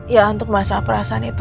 ya untuk masa perasaan itu